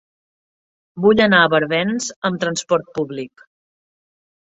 Vull anar a Barbens amb trasport públic.